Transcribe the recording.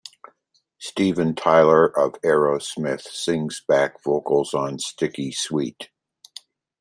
Steven Tyler of Aerosmith sings backing vocals on "Sticky Sweet".